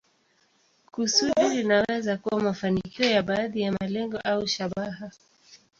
Kusudi linaweza kuwa mafanikio ya baadhi ya malengo au shabaha.